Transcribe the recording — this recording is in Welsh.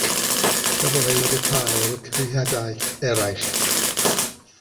Cafodd ei ryddhau o'r cyhuddiadau eraill.